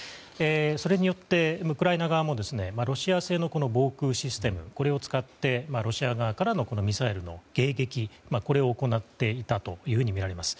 それによって、ウクライナ側もロシア製の防空システムを使ってロシア側からのミサイルの迎撃を行っていたとみられます。